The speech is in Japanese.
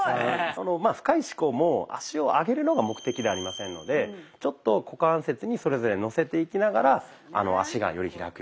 まあ深い四股も足を上げるのが目的ではありませんのでちょっと股関節にそれぞれのせていきながら足がより開くように。